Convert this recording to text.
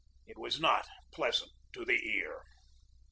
It was not pleasant to the ear.